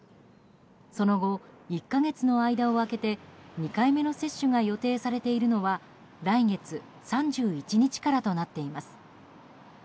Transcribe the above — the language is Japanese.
その後、１か月の間を空けて２回目の接種が予定されているのは来月３１日からとなっています。